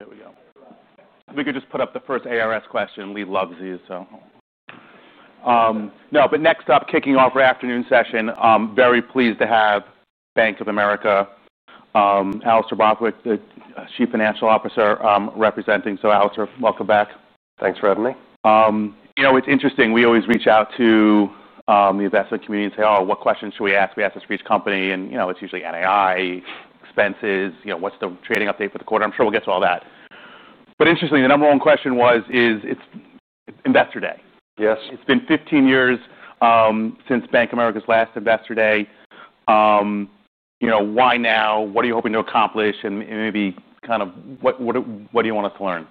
Here we go. We could just put up the first ARS question. We love Z, so next up, kicking off our afternoon session, I'm very pleased to have Bank of America, Alastair Borthwick, the Chief Financial Officer, representing. Alastair, welcome back. Thanks for having me. You know, it's interesting. We always reach out to the investment community and say, "Oh, what questions should we ask? We ask this for each company." You know, it's usually NII, expenses, you know, what's the trading update for the quarter? I'm sure we'll get to all that. Interesting, the number one question was, is it's investor day. Yes. It's been 15 years since Bank of America's last investor day. You know, why now? What are you hoping to accomplish? Maybe kind of what do you want us to learn?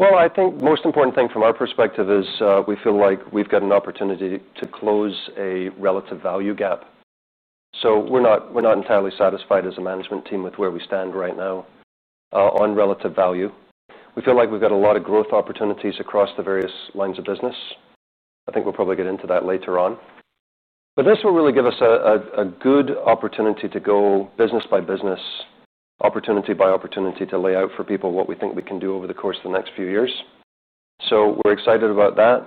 I think the most important thing from our perspective is we feel like we've got an opportunity to close a relative value gap. We're not entirely satisfied as a management team with where we stand right now on relative value. We feel like we've got a lot of growth opportunities across the various lines of business. I think we'll probably get into that later on. This will really give us a good opportunity to go business by business, opportunity by opportunity, to lay out for people what we think we can do over the course of the next few years. We're excited about that.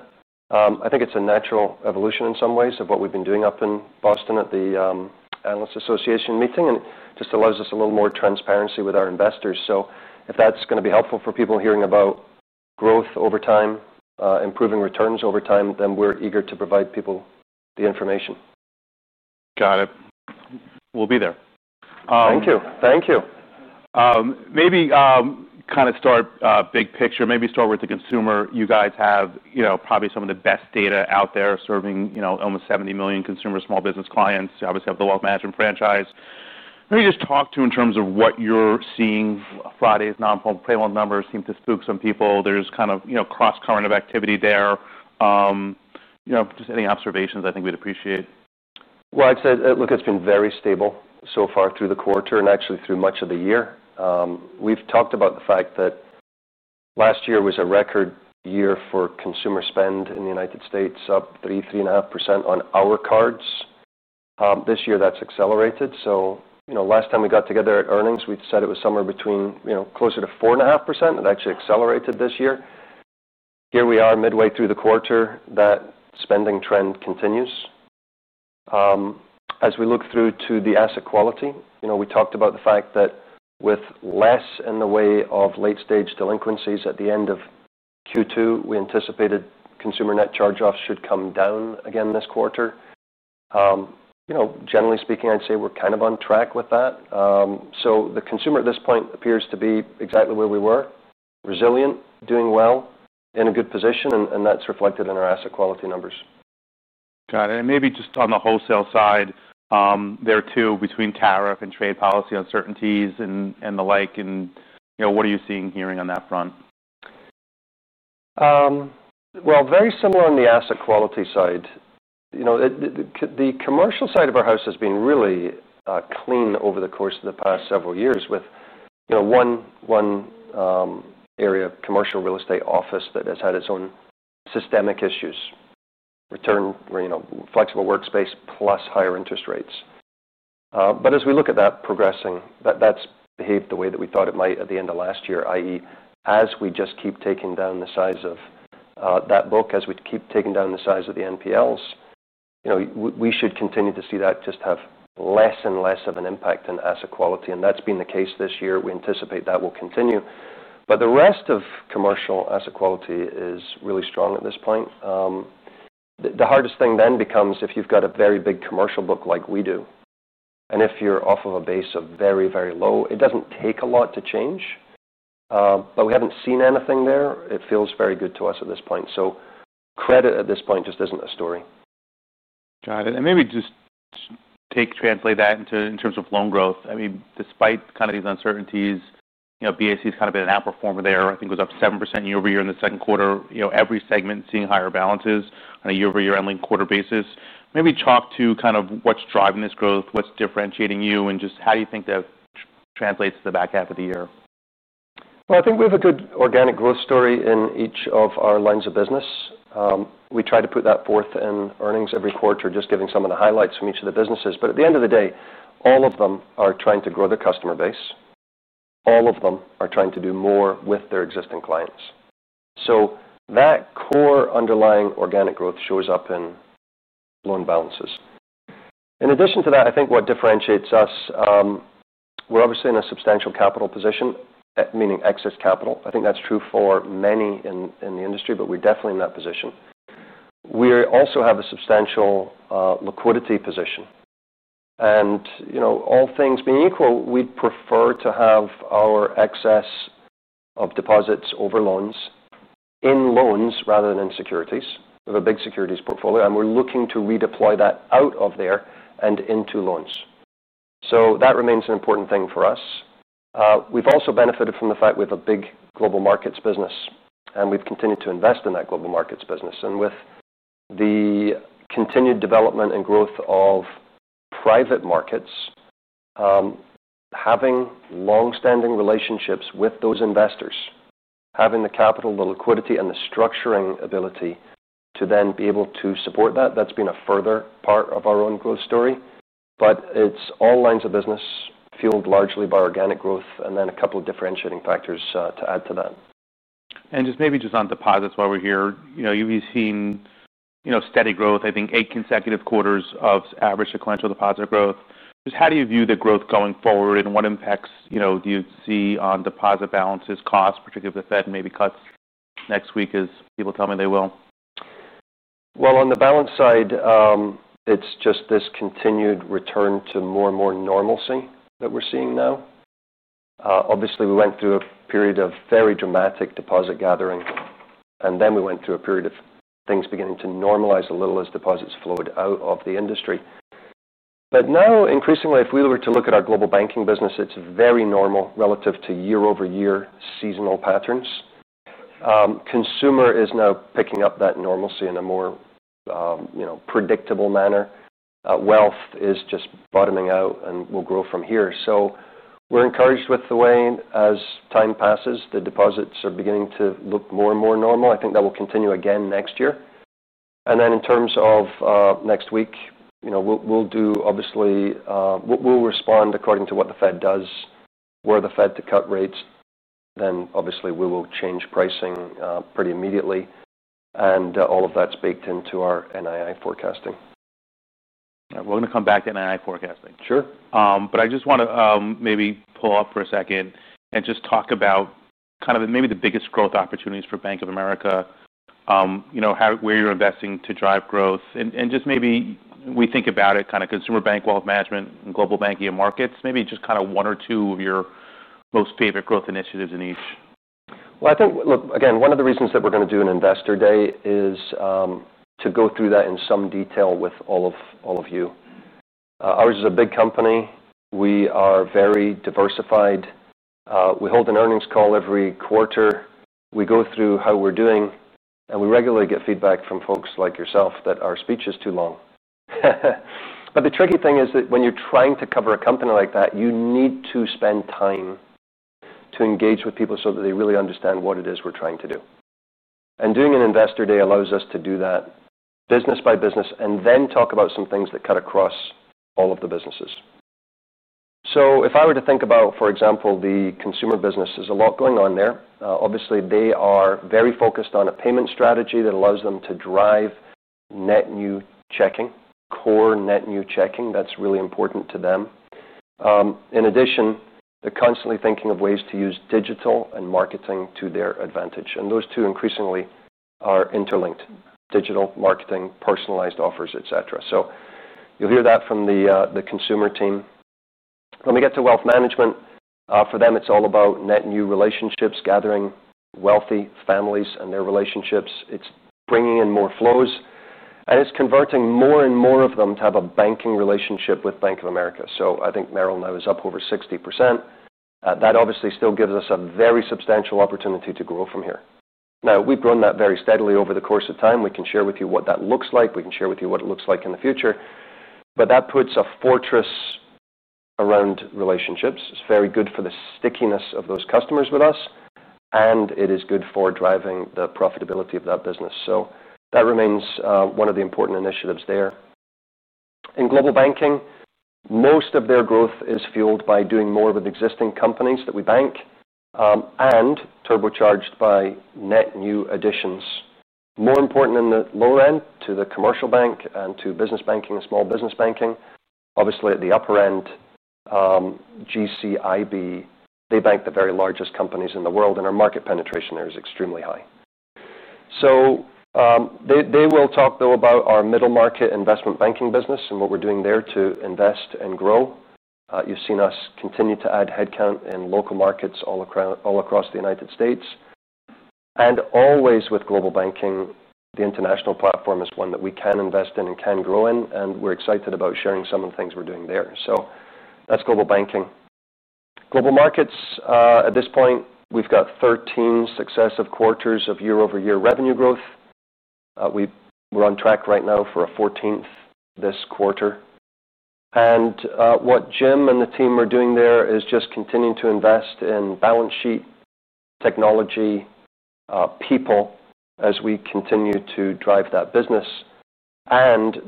I think it's a natural evolution in some ways of what we've been doing up in Boston at the Analysts Association meeting. It just allows us a little more transparency with our investors. If that's going to be helpful for people hearing about growth over time, improving returns over time, then we're eager to provide people the information. Got it. We'll be there. Thank you. Maybe kind of start big picture. Maybe start with the consumer. You guys have, you know, probably some of the best data out there serving almost 70 million consumer small business clients. You obviously have the wealth management franchise. Could you just talk to in terms of what you're seeing? Friday's non-payroll numbers seem to spook some people. There's kind of cross-current of activity there. Any observations I think we'd appreciate. It has been very stable so far through the quarter and actually through much of the year. We've talked about the fact that last year was a record year for consumer spend in the U.S., up 3.5% on our cards. This year that's accelerated. Last time we got together at earnings, we said it was somewhere between, you know, closer to 4.5%. It actually accelerated this year. Here we are midway through the quarter. That spending trend continues. As we look through to the asset quality, we talked about the fact that with less in the way of late-stage delinquencies at the end of Q2, we anticipated consumer net charge-offs should come down again this quarter. Generally speaking, I'd say we're kind of on track with that. The consumer at this point appears to be exactly where we were, resilient, doing well, in a good position, and that's reflected in our asset quality numbers. Got it. Maybe just on the wholesale side there too, between tariff and trade policy uncertainties and the like, what are you seeing and hearing on that front? Very similar on the asset quality side. You know, the commercial side of our house has been really clean over the course of the past several years with, you know, one area of commercial real estate office that has had its own systemic issues, return, you know, flexible workspace plus higher interest rates. As we look at that progressing, that's behaved the way that we thought it might at the end of last year, i.e., as we just keep taking down the size of that book, as we keep taking down the size of the NPLs, you know, we should continue to see that just have less and less of an impact on asset quality. That's been the case this year. We anticipate that will continue. The rest of commercial asset quality is really strong at this point. The hardest thing then becomes if you've got a very big commercial book like we do, and if you're off of a base of very, very low, it doesn't take a lot to change. We haven't seen anything there. It feels very good to us at this point. Credit at this point just isn't a story. Got it. Maybe just translate that into in terms of loan growth. I mean, despite kind of these uncertainties, you know, BAC has kind of been an outperformer there. I think it was up 7% year-over-year in the second quarter. You know, every segment seeing higher balances on a year over year ending quarter basis. Maybe talk to kind of what's driving this growth, what's differentiating you, and just how do you think that translates to the back half of the year? I think we have a good organic growth story in each of our lines of business. We try to put that forth in earnings every quarter, just giving some of the highlights from each of the businesses. At the end of the day, all of them are trying to grow their customer base. All of them are trying to do more with their existing clients. That core underlying organic growth shows up in loan balances. In addition to that, I think what differentiates us, we're obviously in a substantial capital position, meaning excess capital. I think that's true for many in the industry, but we're definitely in that position. We also have a substantial liquidity position. All things being equal, we'd prefer to have our excess of deposits over loans in loans rather than in securities. We have a big securities portfolio, and we're looking to redeploy that out of there and into loans. That remains an important thing for us. We've also benefited from the fact we have a big global markets business, and we've continued to invest in that global markets business. With the continued development and growth of private markets, having longstanding relationships with those investors, having the capital, the liquidity, and the structuring ability to then be able to support that, that's been a further part of our own growth story. It's all lines of business fueled largely by organic growth and then a couple of differentiating factors to add to that. Just maybe on deposits while we're here, you've seen steady growth, I think eight consecutive quarters of average sequential deposit growth. How do you view the growth going forward and what impacts do you see on deposit balances, costs, particularly with the Fed and maybe cuts next week as people tell me they will? On the balance side, it's just this continued return to more and more normalcy that we're seeing now. Obviously, we went through a period of very dramatic deposit gathering, and then we went through a period of things beginning to normalize a little as deposits flowed out of the industry. Now, increasingly, if we were to look at our Global Banking business, it's very normal relative to year-over-year seasonal patterns. Consumer is now picking up that normalcy in a more predictable manner. Wealth is just bottoming out and will grow from here. We're encouraged with the way, as time passes, the deposits are beginning to look more and more normal. I think that will continue again next year. In terms of next week, we'll respond according to what the Fed does. Were the Fed to cut rates, then obviously we will change pricing pretty immediately. All of that's baked into our NII forecasting. All right, we're going to come back to NII forecasting. Sure. I just want to maybe pull off for a second and talk about kind of maybe the biggest growth opportunities for Bank of America, you know, where you're investing to drive growth. Maybe we think about it kind of consumer bank, wealth management, and global banking and markets, maybe just kind of one or two of your most favorite growth initiatives in each. I think, look, again, one of the reasons that we're going to do an investor day is to go through that in some detail with all of you. Ours is a big company. We are very diversified. We hold an earnings call every quarter. We go through how we're doing. We regularly get feedback from folks like yourself that our speech is too long. The tricky thing is that when you're trying to cover a company like that, you need to spend time to engage with people so that they really understand what it is we're trying to do. Doing an investor day allows us to do that business by business and then talk about some things that cut across all of the businesses. If I were to think about, for example, the consumer business, there's a lot going on there. Obviously, they are very focused on a payment strategy that allows them to drive net new checking, core net new checking. That's really important to them. In addition, they're constantly thinking of ways to use digital and marketing to their advantage, and those two increasingly are interlinked: digital marketing, personalized offers, etc. You'll hear that from the consumer team. When we get to wealth management, for them, it's all about net new relationships, gathering wealthy families and their relationships. It's bringing in more flows, and it's converting more and more of them to have a banking relationship with Bank of America. I think Merrill now is up over 60%. That obviously still gives us a very substantial opportunity to grow from here. We've grown that very steadily over the course of time. We can share with you what that looks like. We can share with you what it looks like in the future. That puts a fortress around relationships. It's very good for the stickiness of those customers with us, and it is good for driving the profitability of that business. That remains one of the important initiatives there. In global banking, most of their growth is fueled by doing more with existing companies that we bank and turbocharged by net new additions. More important in the lower end to the commercial bank and to business banking and small business banking. Obviously, at the upper end, GCIB, they bank the very largest companies in the world, and our market penetration there is extremely high. They will talk, though, about our middle market investment banking business and what we're doing there to invest and grow. You've seen us continue to add headcount in local markets all across the U.S. Always with global banking, the international platform is one that we can invest in and can grow in, and we're excited about sharing some of the things we're doing there. That's global banking. Global markets, at this point, we've got 13 successive quarters of year-over-year revenue growth. We're on track right now for a 14th this quarter. What Jim and the team are doing there is just continuing to invest in balance sheet, technology, people, as we continue to drive that business.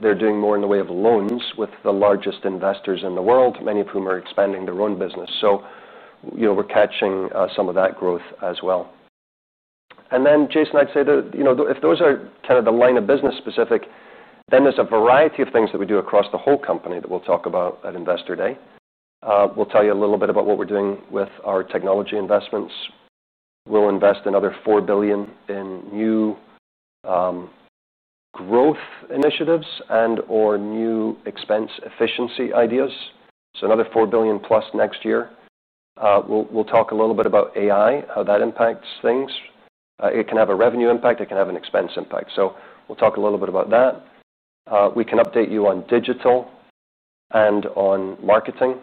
They're doing more in the way of loans with the largest investors in the world, many of whom are expanding their own business. We're catching some of that growth as well. Jason, I'd say that if those are kind of the line of business specific, then there's a variety of things that we do across the whole company that we'll talk about at Investor Day. We'll tell you a little bit about what we're doing with our technology investments. We'll invest another $4 billion in new growth initiatives and/or new expense efficiency ideas. Another $4+ billion next year. We'll talk a little bit about AI, how that impacts things. It can have a revenue impact. It can have an expense impact. We'll talk a little bit about that. We can update you on digital and on marketing.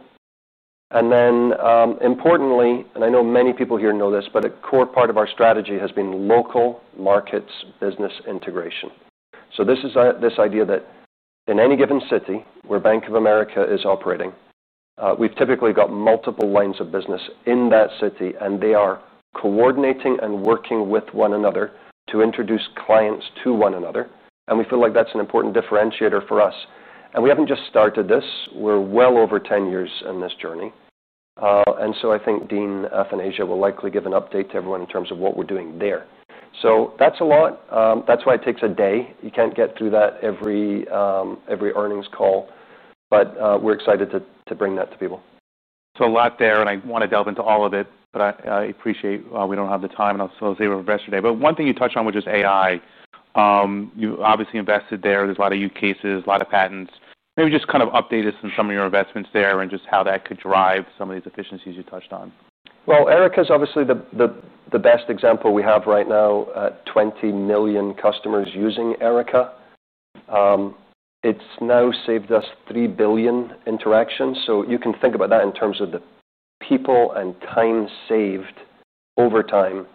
Importantly, and I know many people here know this, a core part of our strategy has been local markets business integration. This idea that in any given city where Bank of America is operating, we've typically got multiple lines of business in that city, and they are coordinating and working with one another to introduce clients to one another. We feel like that's an important differentiator for us. We haven't just started this. We're well over 10 years in this journey. I think Dean Athanasia will likely give an update to everyone in terms of what we're doing there. That's a lot. That's why it takes a day. You can't get through that every earnings call. We're excited to bring that to people. is a lot there, and I want to delve into all of it. I appreciate we don't have the time, and I'll say we have the rest of your day. One thing you touched on is AI. You obviously invested there. There are a lot of use cases, a lot of patents. Maybe just update us on some of your investments there and how that could drive some of these efficiencies you touched on. Erica is obviously the best example we have right now. 20 million customers using Erica. It's now saved us 3 billion interactions. You can think about that in terms of the people and time saved over time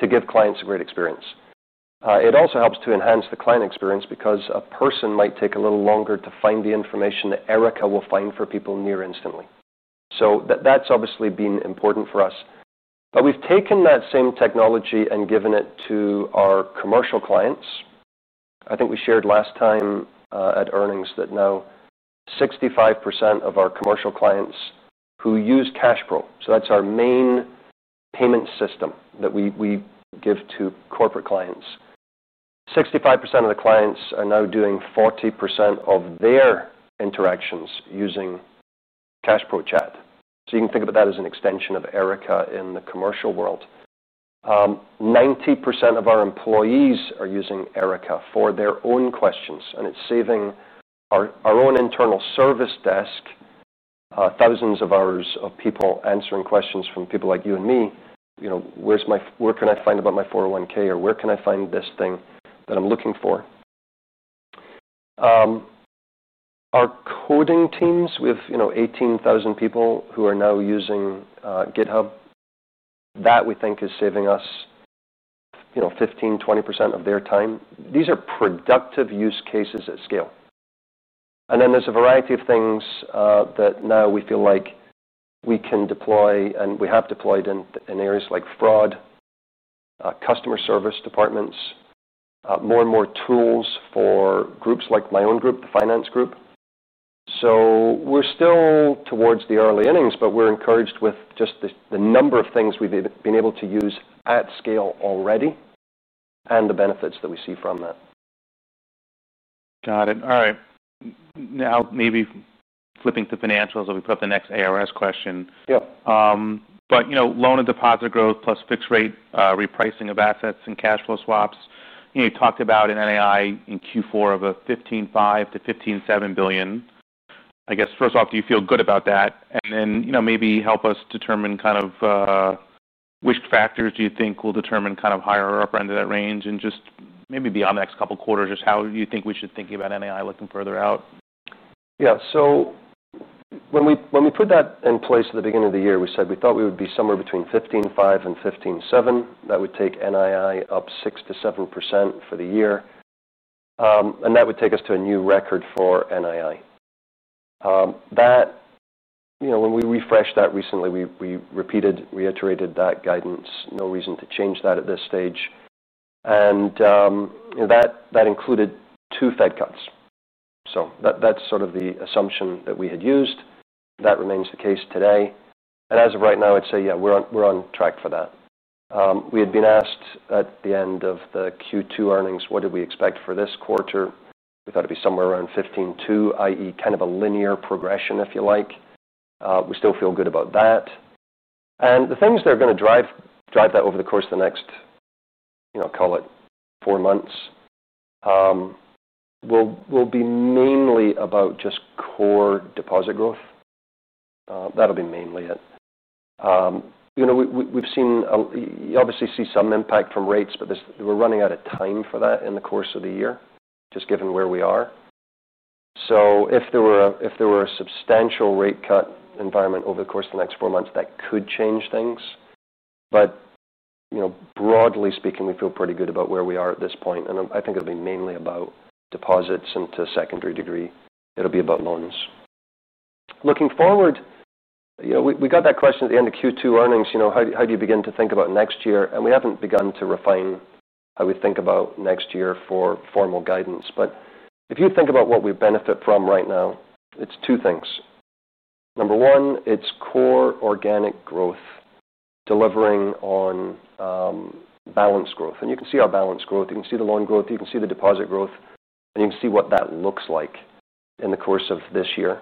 to give clients a great experience. It also helps to enhance the client experience because a person might take a little longer to find the information that Erica will find for people near instantly. That's obviously been important for us. We've taken that same technology and given it to our commercial clients. I think we shared last time at earnings that now 65% of our commercial clients who use CashPro, so that's our main payment system that we give to corporate clients, 65% of the clients are now doing 40% of their interactions using CashPro chat. You can think of that as an extension of Erica in the commercial world. 90% of our employees are using Erica for their own questions, and it's saving our own internal service desk thousands of hours of people answering questions from people like you and me. You know, where's my, where can I find about my 401(k) or where can I find this thing that I'm looking for? Our coding teams with, you know, 18,000 people who are now using GitHub, that we think is saving us, you know, 15%, 20% of their time. These are productive use cases at scale. There is a variety of things that now we feel like we can deploy, and we have deployed in areas like fraud, customer service departments, more and more tools for groups like my own group, the finance group. We're still towards the early innings, but we're encouraged with just the number of things we've been able to use at scale already and the benefits that we see from that. Got it. All right. Now maybe flipping to financials, we'll put up the next ARS question. Yeah. You know, loan and deposit growth plus fixed-rate repricing of assets and cash flow swaps. You talked about an NII in Q4 of $15.5 billion-$15.7 billion. I guess first off, do you feel good about that? Maybe help us determine which factors you think will determine the higher or upper end of that range and just maybe beyond the next couple of quarters, just how you think we should think about NII looking further out? Yeah, so when we put that in place at the beginning of the year, we said we thought we would be somewhere between $15.5 billion and $15.7 billion. That would take NII up 6%-7% for the year. That would take us to a new record for NII. When we refreshed that recently, we repeated, reiterated that guidance, no reason to change that at this stage. That included two Fed cuts, so that's sort of the assumption that we had used. That remains the case today. As of right now, I'd say, yeah, we're on track for that. We had been asked at the end of the Q2 earnings what did we expect for this quarter. We thought it'd be somewhere around $15.2 billion, i.e., kind of a linear progression, if you like. We still feel good about that. The things that are going to drive that over the course of the next, you know, call it four months, will be mainly about just core deposit growth. That'll be mainly it. We've seen, you obviously see some impact from rates, but we're running out of time for that in the course of the year, just given where we are. If there were a substantial rate cut environment over the course of the next four months, that could change things. Broadly speaking, we feel pretty good about where we are at this point. I think it'll be mainly about deposits and to a secondary degree, it'll be about loans. Looking forward, we got that question at the end of Q2 earnings, you know, how do you begin to think about next year? We haven't begun to refine how we think about next year for formal guidance. If you think about what we benefit from right now, it's two things. Number one, it's core organic growth, delivering on balance growth. You can see our balance growth. You can see the loan growth. You can see the deposit growth. You can see what that looks like in the course of this year.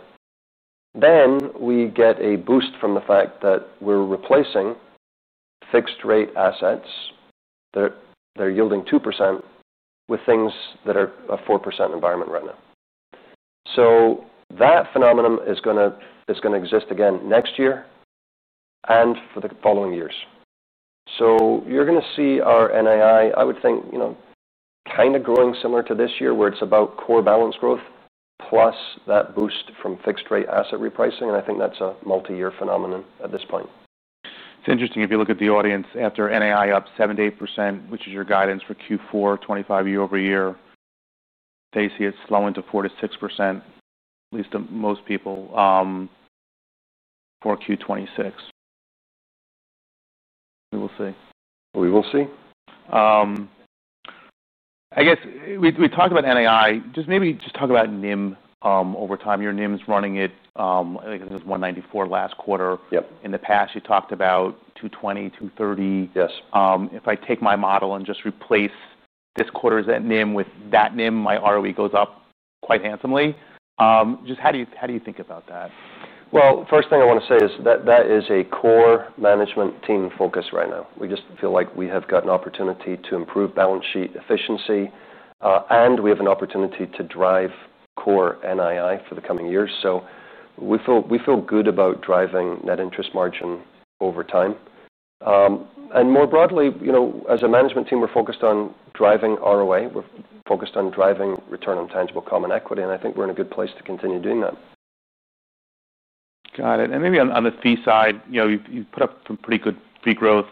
Then we get a boost from the fact that we're replacing fixed-rate assets that are yielding 2% with things that are a 4% environment right now. That phenomenon is going to exist again next year and for the following years. You're going to see our NII, I would think, kind of growing similar to this year where it's about core balance growth plus that boost from fixed-rate asset repricing. I think that's a multi-year phenomenon at this point. It's interesting if you look at the audience after NII up 7%-8%, which is your guidance for Q4 2025 year-over-year. They see it's slowing to 4%-6%, at least to most people, for Q2 2026. We will see. We will see. I guess we talked about NII. Maybe just talk about NIM over time. Your NIM is running at, I think it was 1.94% last quarter. Yep. In the past, you talked about $220 million, $230 million. Yes. If I take my model and just replace this quarter's NIM with that NIM, my ROE goes up quite handsomely. How do you think about that? That is a core management team focus right now. We just feel like we have got an opportunity to improve balance sheet efficiency, and we have an opportunity to drive core NII for the coming years. We feel good about driving net interest margin over time. More broadly, as a management team, we're focused on driving ROA and focused on driving return on tangible common equity. I think we're in a good place to continue doing that. Got it. Maybe on the fee side, you've put up some pretty good fee growth.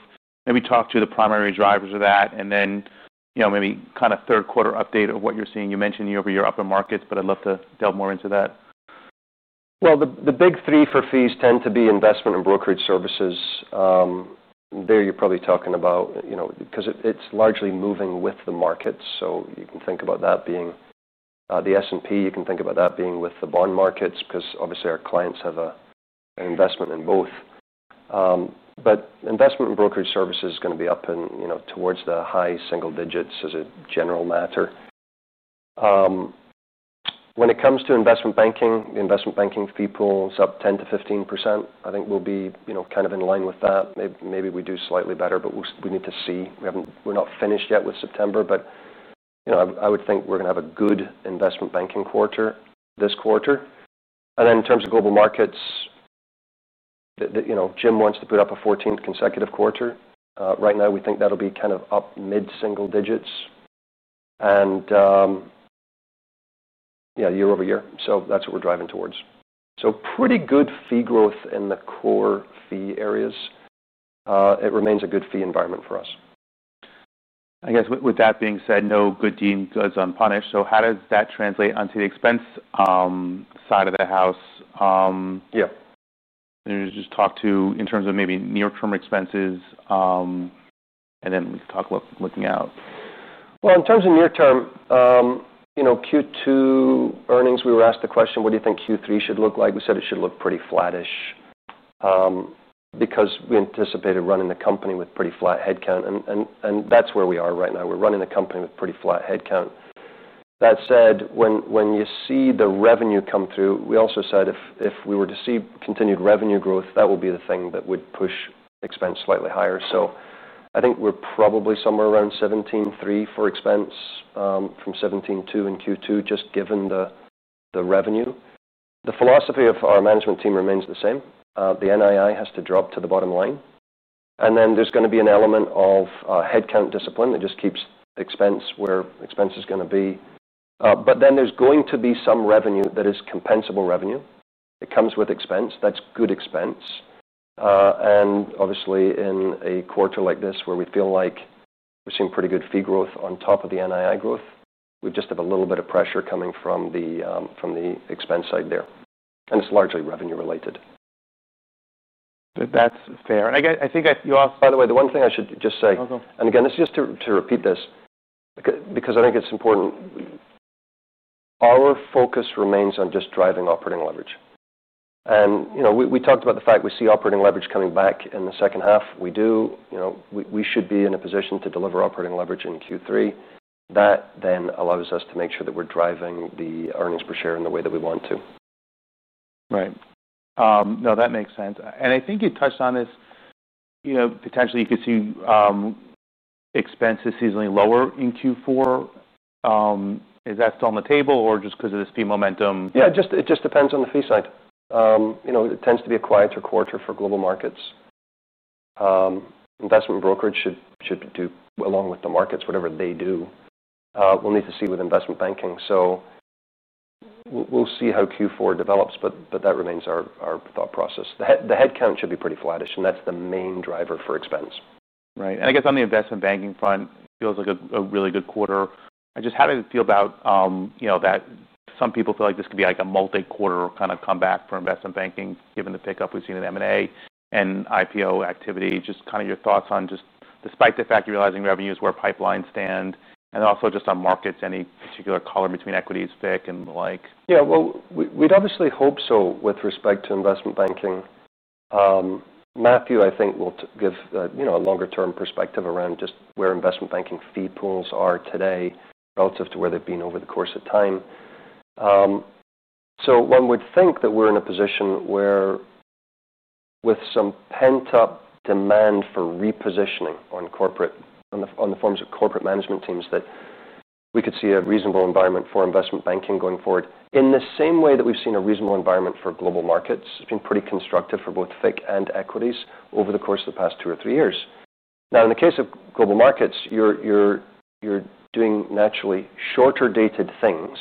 Maybe talk to the primary drivers of that. Maybe kind of third quarter update of what you're seeing. You mentioned you over your upper markets, but I'd love to delve more into that. The big three for fees tend to be investment and brokerage services. There you're probably talking about, you know, because it's largely moving with the markets. You can think about that being the S&P. You can think about that being with the bond markets because obviously our clients have an investment in both. Investment and brokerage services is going to be up in, you know, towards the high single digits as a general matter. When it comes to investment banking, the investment banking fee pool is up 10%-15%. I think we'll be, you know, kind of in line with that. Maybe we do slightly better, but we need to see. We're not finished yet with September. I would think we're going to have a good investment banking quarter this quarter. In terms of global markets, you know, Jim wants to put up a 14th consecutive quarter. Right now, we think that'll be kind of up mid-single digits, year over year. That's what we're driving towards. Pretty good fee growth in the core fee areas. It remains a good fee environment for us. I guess with that being said, no good deed goes unpunished. How does that translate onto the expense side of the house? Yeah. Talk to in terms of maybe near-term expenses, and then we can talk about looking out. In terms of near-term, you know, Q2 earnings, we were asked the question, what do you think Q3 should look like? We said it should look pretty flattish because we anticipated running the company with pretty flat headcount. That's where we are right now. We're running the company with pretty flat headcount. That said, when you see the revenue come through, we also said if we were to see continued revenue growth, that will be the thing that would push expense slightly higher. I think we're probably somewhere around $17.3 billion for expense from $17.2 billion in Q2, just given the revenue. The philosophy of our management team remains the same. The NII has to drop to the bottom line. There's going to be an element of headcount discipline that just keeps the expense where expense is going to be. There's going to be some revenue that is compensable revenue. It comes with expense. That's good expense. Obviously, in a quarter like this where we feel like we're seeing pretty good fee growth on top of the NII growth, we just have a little bit of pressure coming from the expense side there. It's largely revenue-related. That's fair. I think you also. By the way, the one thing I should just say, it's just to repeat this because I think it's important, our focus remains on just driving operating leverage. We talked about the fact we see operating leverage coming back in the second half. We do, we should be in a position to deliver operating leverage in Q3. That then allows us to make sure that we're driving the earnings per share in the way that we want to. Right. No, that makes sense. I think you touched on this, you know, potentially you could see expenses seasonally lower in Q4. Is that still on the table or just because of this fee momentum? Yeah, it just depends on the fee side. You know, it tends to be a quieter quarter for global markets. Investment brokerage should do along with the markets, whatever they do. We need to see with investment banking. We will see how Q4 develops, but that remains our thought process. The headcount should be pretty flattish, and that's the main driver for expense. Right. I guess on the investment banking front, it feels like a really good quarter. How does it feel about, you know, that some people feel like this could be like a multi-quarter kind of comeback for investment banking, given the pickup we've seen in M&A and IPO activity? Just kind of your thoughts on just despite the fact you're realizing revenue is where pipelines stand, and also just on markets, any particular color between equities, FIC, and the like. Yeah, we'd obviously hope so with respect to investment banking. Matthew, I think, will give a longer-term perspective around just where investment banking fee pools are today relative to where they've been over the course of time. One would think that we're in a position where, with some pent-up demand for repositioning on the forms of corporate management teams, we could see a reasonable environment for investment banking going forward. In the same way that we've seen a reasonable environment for global markets, it's been pretty constructive for both FIC and equities over the course of the past two or three years. In the case of global markets, you're doing naturally shorter-dated things.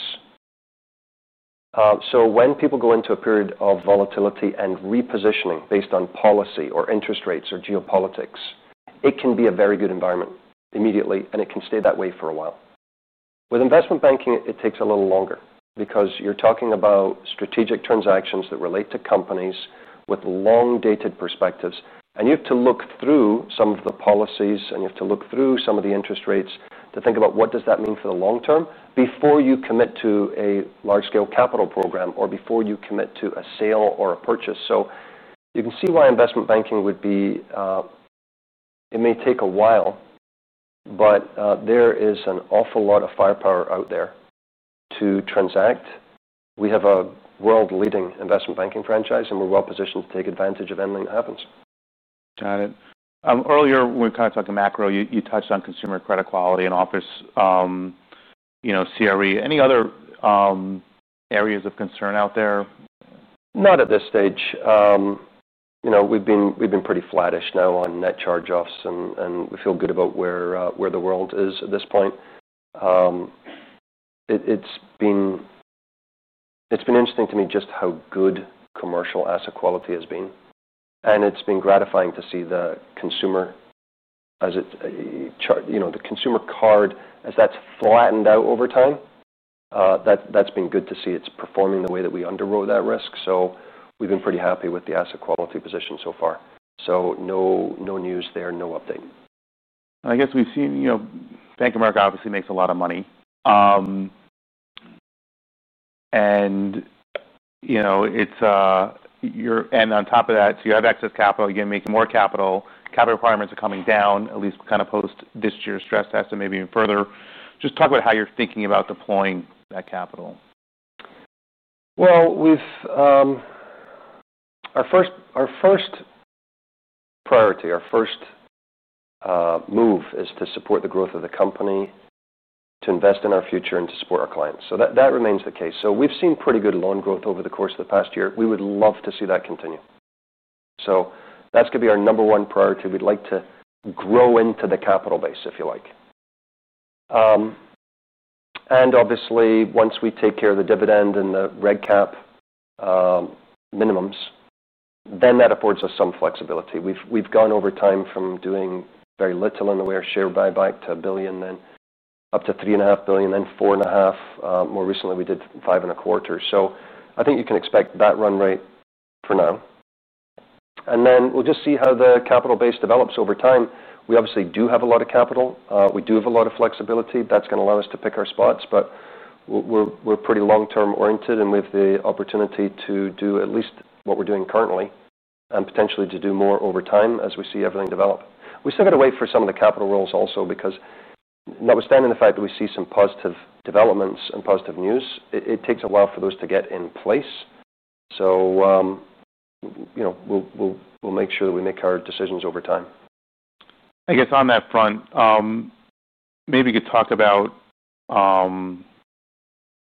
When people go into a period of volatility and repositioning based on policy or interest rates or geopolitics, it can be a very good environment immediately, and it can stay that way for a while. With investment banking, it takes a little longer because you're talking about strategic transactions that relate to companies with long-dated perspectives. You have to look through some of the policies, and you have to look through some of the interest rates to think about what that means for the long term before you commit to a large-scale capital program or before you commit to a sale or a purchase. You can see why investment banking would be, it may take a while, but there is an awful lot of firepower out there to transact. We have a world-leading investment banking franchise, and we're well positioned to take advantage of anything that happens. Got it. Earlier, we kind of talked to macro. You touched on consumer credit quality and office, you know, CRE. Any other areas of concern out there? Not at this stage. We've been pretty flattish now on net charge-offs, and we feel good about where the world is at this point. It's been interesting to me just how good commercial asset quality has been. It's been gratifying to see the consumer, the consumer card, as that's flattened out over time. That's been good to see; it's performing the way that we underwrote that risk. We've been pretty happy with the asset quality position so far. No news there, no update. I guess we've seen, you know, Bank of America obviously makes a lot of money. You know, it's your, and on top of that, you have excess capital, you're making more capital. Capital requirements are coming down, at least kind of post this year's stress test and maybe even further. Just talk about how you're thinking about deploying that capital. Our first priority, our first move is to support the growth of the company, to invest in our future, and to support our clients. That remains the case. We've seen pretty good loan growth over the course of the past year. We would love to see that continue. That's going to be our number one priority. We'd like to grow into the capital base, if you like. Obviously, once we take care of the dividend and the [REDCap] minimums, that affords us some flexibility. We've gone over time from doing very little in the way of share buyback to $1 billion, then up to $3.5 billion, then $4.5 billion. More recently, we did $5.25 billion. I think you can expect that run rate for now. We'll just see how the capital base develops over time. We obviously do have a lot of capital. We do have a lot of flexibility. That's going to allow us to pick our spots. We're pretty long-term oriented, and we have the opportunity to do at least what we're doing currently and potentially to do more over time as we see everything develop. We still got to wait for some of the capital rolls also because notwithstanding the fact that we see some positive developments and positive news, it takes a while for those to get in place. We'll make sure that we make our decisions over time. I guess on that front, maybe you could talk about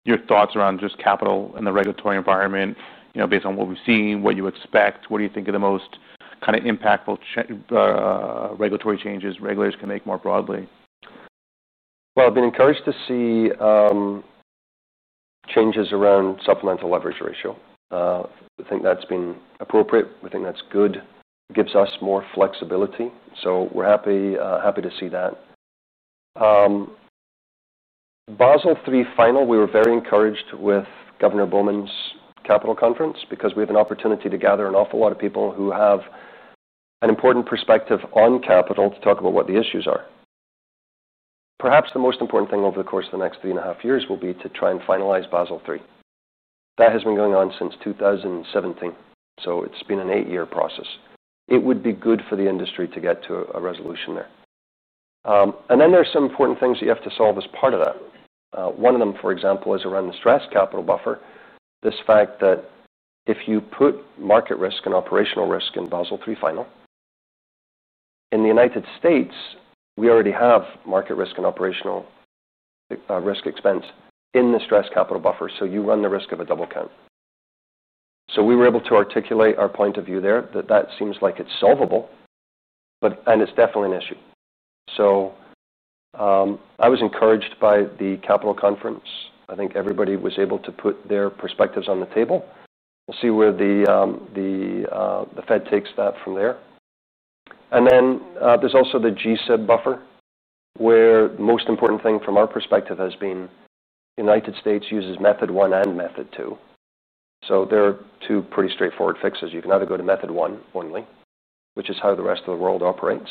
your thoughts around just capital and the regulatory environment, you know, based on what we've seen, what you expect. What do you think are the most kind of impactful regulatory changes regulators can make more broadly? I've been encouraged to see changes around the supplemental leverage ratio. I think that's been appropriate. I think that's good. It gives us more flexibility. We're happy to see that. Basel III final, we were very encouraged with Governor Bowman's Capital Conference because we have an opportunity to gather an awful lot of people who have an important perspective on capital to talk about what the issues are. Perhaps the most important thing over the course of the next three and a half years will be to try and finalize Basel III. That has been going on since 2017. It's been an eight-year process. It would be good for the industry to get to a resolution there. There are some important things that you have to solve as part of that. One of them, for example, is around the stress capital buffer, this fact that if you put market risk and operational risk in Basel III final, in the United States., we already have market risk and operational risk expense in the stress capital buffer. You run the risk of a double count. We were able to articulate our point of view there that that seems like it's solvable, but it's definitely an issue. I was encouraged by the Capital Conference. I think everybody was able to put their perspectives on the table. We'll see where the Fed takes that from there. There's also the G-SIB buffer, where the most important thing from our perspective has been the United States uses Method I and Method II. There are two pretty straightforward fixes. You can either go to Method I only, which is how the rest of the world operates,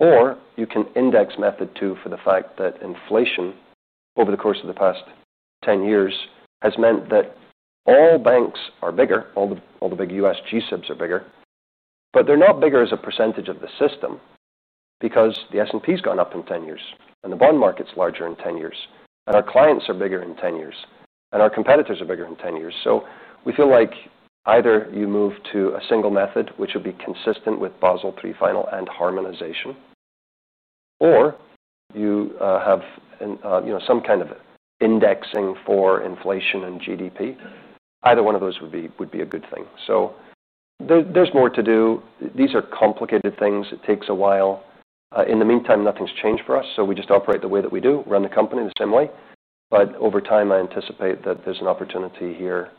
or you can index Method II for the fact that inflation over the course of the past 10 years has meant that all banks are bigger, all the big U.S. G-SIBs are bigger, but they're not bigger as a percentage of the system because the S&P's gone up in 10 years, and the bond market's larger in 10 years, and our clients are bigger in 10 years, and our competitors are bigger in 10 years. We feel like either you move to a single method, which would be consistent with Basel III final and harmonization, or you have some kind of indexing for inflation and GDP. Either one of those would be a good thing. There's more to do. These are complicated things. It takes a while. In the meantime, nothing's changed for us. We just operate the way that we do, run the company the same way. Over time, I anticipate that there's an opportunity here.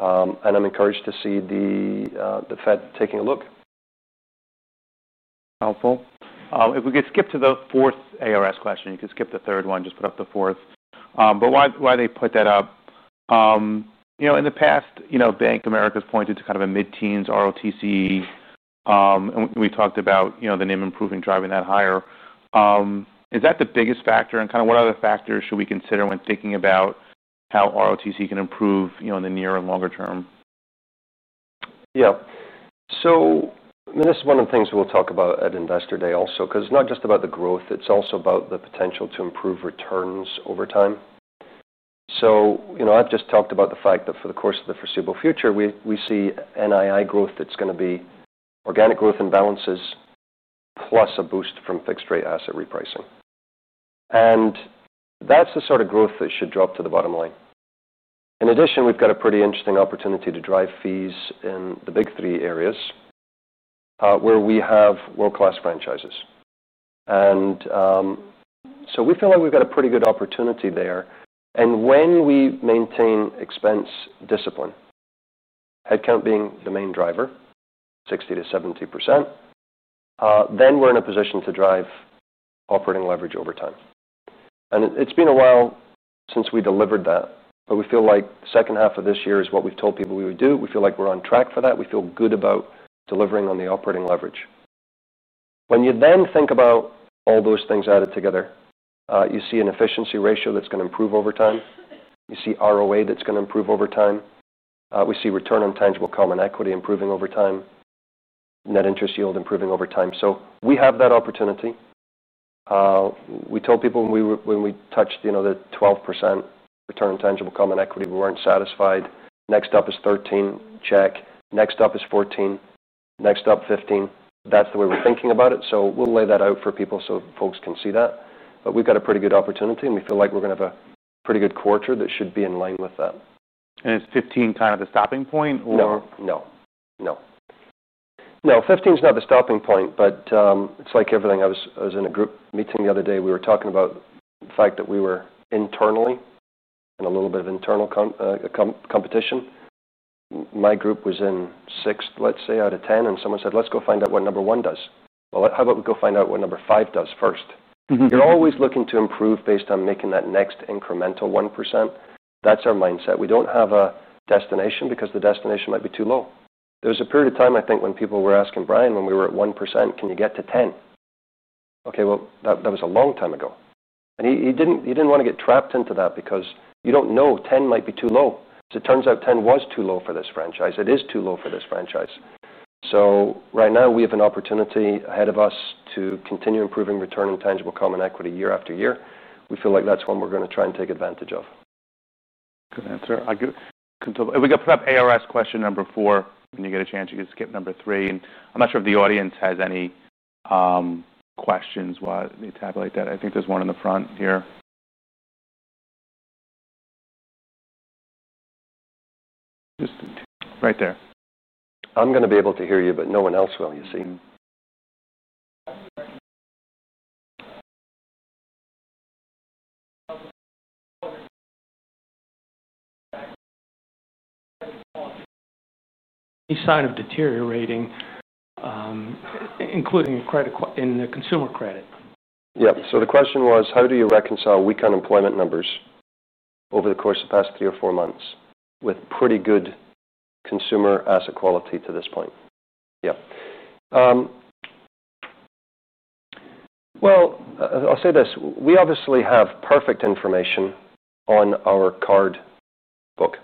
I'm encouraged to see the Fed taking a look. Helpful. If we could skip to the fourth ARS question, you could skip the third one, just put up the fourth. While they put that up, you know, in the past, you know, Bank of America has pointed to kind of a mid-teens ROTC. We talked about, you know, the NIM improving, driving that higher. Is that the biggest factor, and what other factors should we consider when thinking about how ROTC can improve, you know, in the near and longer term? Yeah. This is one of the things we'll talk about at Investor Day also, because it's not just about the growth. It's also about the potential to improve returns over time. I've just talked about the fact that for the course of the foreseeable future, we see NII growth that's going to be organic growth and balances plus a boost from fixed-rate asset repricing. That's the sort of growth that should drop to the bottom line. In addition, we've got a pretty interesting opportunity to drive fees in the big three areas where we have world-class franchises. We feel like we've got a pretty good opportunity there. When we maintain expense discipline, headcount being the main driver, 60%-70%, then we're in a position to drive operating leverage over time. It's been a while since we delivered that. We feel like the second half of this year is what we've told people we would do. We feel like we're on track for that. We feel good about delivering on the operating leverage. When you then think about all those things added together, you see an efficiency ratio that's going to improve over time. You see ROA that's going to improve over time. We see return on tangible common equity improving over time, net interest yield improving over time. We have that opportunity. We told people when we touched the 12% return on tangible common equity, we weren't satisfied. Next up is 13%, check. Next up is 14%. Next up, 15%. That's the way we're thinking about it. We'll lay that out for people so folks can see that. We've got a pretty good opportunity, and we feel like we're going to have a pretty good quarter that should be in line with that. Is 15% kind of the stopping point or? No, 15% is not the stopping point, but it's like everything. I was in a group meeting the other day. We were talking about the fact that we were internally in a little bit of internal competition. My group was in sixth, let's say, out of ten. Someone said, let's go find out what number one does. How about we go find out what number five does first? You're always looking to improve based on making that next incremental 1%. That's our mindset. We don't have a destination because the destination might be too low. There was a period of time, I think, when people were asking Brian, when we were at 1%, can you get to 10%? That was a long time ago. He didn't want to get trapped into that because you don't know 10% might be too low. It turns out 10% was too low for this franchise. It is too low for this franchise. Right now, we have an opportunity ahead of us to continue improving return on tangible common equity year after year. We feel like that's one we're going to try and take advantage of. Good answer. I can tell. If we could put up ARS question number four when you get a chance, you can skip number three. I'm not sure if the audience has any questions while they tabulate that. I think there's one in the front here. Right there. I'm going to be able to hear you, but no one else will, you see. Any sign of deteriorating, including in the consumer credit? The question was, how do you reconcile weak unemployment numbers over the course of the past three or four months with pretty good consumer asset quality to this point? Yeah. I’ll say this. We obviously have perfect information on our card book,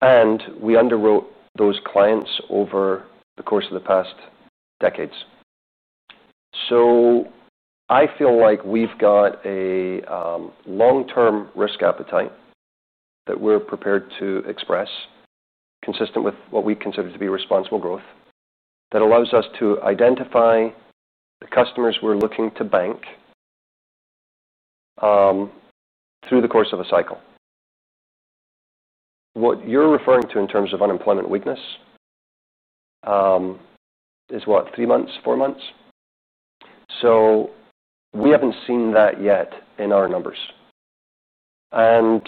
and we underwrote those clients over the course of the past decades. I feel like we’ve got a long-term risk appetite that we’re prepared to express, consistent with what we consider to be responsible growth, that allows us to identify the customers we’re looking to bank through the course of a cycle. What you’re referring to in terms of unemployment weakness is what, three months, four months? We haven’t seen that yet in our numbers. I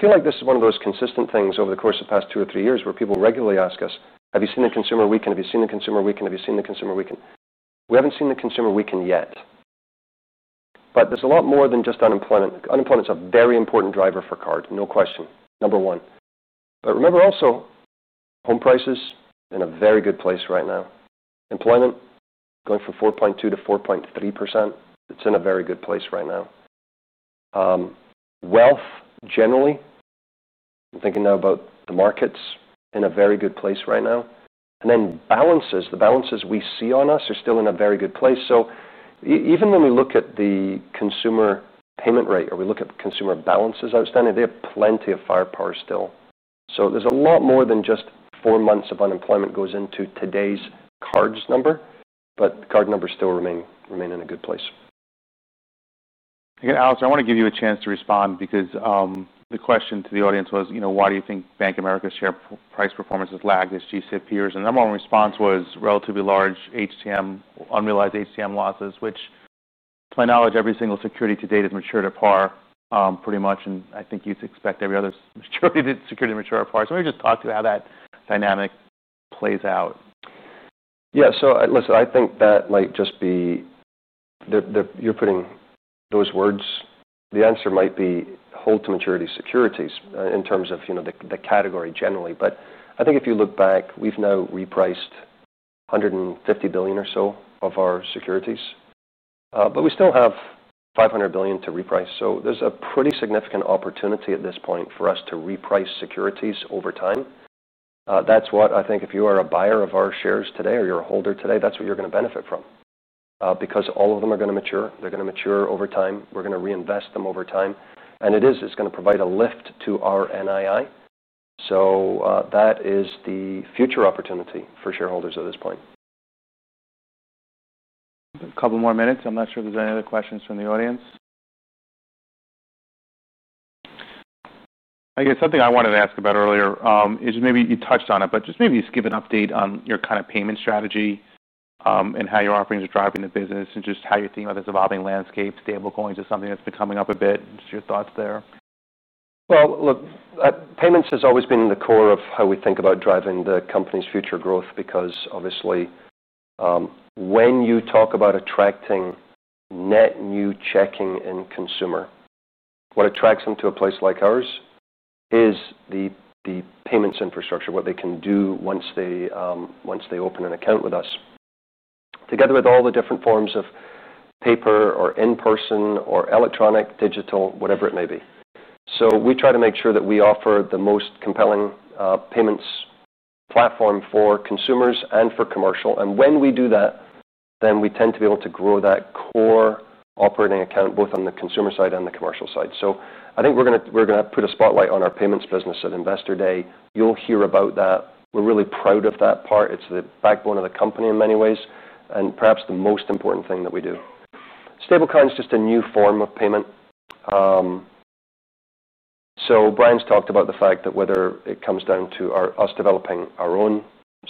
feel like this is one of those consistent things over the course of the past two or three years where people regularly ask us, have you seen the consumer weaken? Have you seen the consumer weaken? Have you seen the consumer weaken? We haven’t seen the consumer weaken yet. There’s a lot more than just unemployment. Unemployment is a very important driver for card, no question, number one. Remember also, home prices are in a very good place right now. Employment going from 4.2% to 4.3%, it’s in a very good place right now. Wealth generally, I’m thinking now about the markets, is in a very good place right now. The balances we see on us are still in a very good place. Even when we look at the consumer payment rate or we look at the consumer balances outstanding, they have plenty of firepower still. There’s a lot more than just four months of unemployment that goes into today’s cards number, but the card numbers still remain in a good place. Again, Alex, I want to give you a chance to respond because the question to the audience was, you know, why do you think Bank of America's share price performance has lagged its G-SIB peers? Their own response was relatively large unrealized HTM losses, which to my knowledge, every single security to date has matured at par pretty much. I think you'd expect every other security to mature at par. Maybe just talk to how that dynamic plays out. Yeah, so listen, I think that might just be that you're putting those words. The answer might be hold to maturity securities in terms of, you know, the category generally. I think if you look back, we've now repriced $150 billion or so of our securities, but we still have $500 billion to reprice. There's a pretty significant opportunity at this point for us to reprice securities over time. I think if you are a buyer of our shares today or you're a holder today, that's what you're going to benefit from because all of them are going to mature. They're going to mature over time. We're going to reinvest them over time. It is going to provide a lift to our NII. That is the future opportunity for shareholders at this point. A couple more minutes. I'm not sure if there's any other questions from the audience. I guess something I wanted to ask about earlier is maybe you touched on it, but just maybe you could give an update on your kind of payment strategy and how your offerings are driving the business and just how you're thinking about this evolving landscape. Stablecoin is something that's coming up a bit, just your thoughts there. Payments has always been the core of how we think about driving the company's future growth because obviously when you talk about attracting net new checking in consumer, what attracts them to a place like ours is the payments infrastructure, what they can do once they open an account with us, together with all the different forms of paper or in-person or electronic, digital, whatever it may be. We try to make sure that we offer the most compelling payments platform for consumers and for commercial. When we do that, we tend to be able to grow that core operating account both on the consumer side and the commercial side. I think we're going to put a spotlight on our payments business at investor day. You'll hear about that. We're really proud of that part. It's the backbone of the company in many ways, and perhaps the most important thing that we do. Stablecoin is just a new form of payment. Brian's talked about the fact that whether it comes down to us developing our own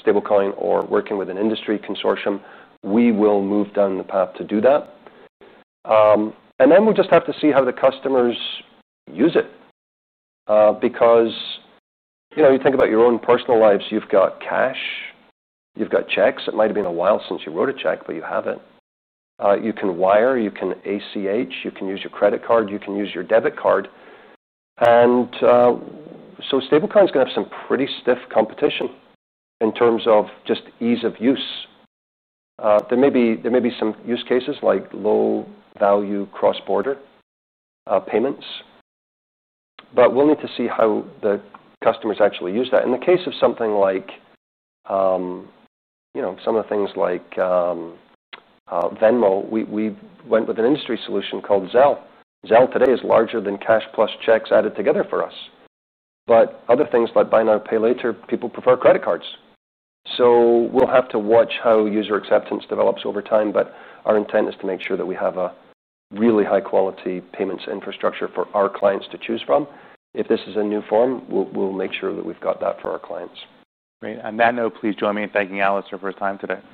stablecoin or working with an industry consortium, we will move down the path to do that. We'll just have to see how the customers use it because, you know, you think about your own personal lives. You've got cash. You've got checks. It might have been a while since you wrote a check, but you have it. You can wire. You can ACH. You can use your credit card. You can use your debit card. Stablecoin is going to have some pretty stiff competition in terms of just ease of use. There may be some use cases like low-value cross-border payments. We'll need to see how the customers actually use that. In the case of something like, you know, some of the things like Venmo, we went with an industry solution called Zelle. Zelle today is larger than cash plus checks added together for us. Other things like buy now, pay later, people prefer credit cards. We'll have to watch how user acceptance develops over time. Our intent is to make sure that we have a really high-quality payments infrastructure for our clients to choose from. If this is a new form, we'll make sure that we've got that for our clients. Great. On that note, please join me in thanking Alastair for his time today.